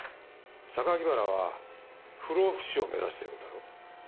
原は不老不死を目指してるんだろ？